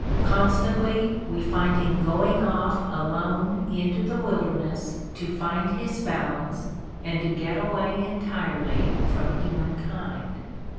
Constantly we find him going off "alone into the wilderness to find his balance and to get away entirely from humankind."